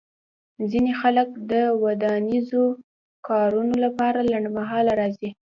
ځینې خلک د ودانیزو کارونو لپاره لنډمهاله راځي